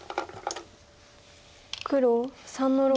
黒３の六。